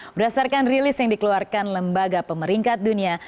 berdasarkan rilis yang dikeluarkan lembaga pemeringkat dunia